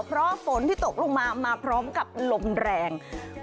เพราะฝนที่ตกลงมามาพร้อมกับลมแรง